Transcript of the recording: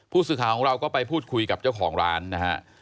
ผู้สื่อข่าวของเราก็ไปพูดคุยกับเจ้าของร้านนะฮะ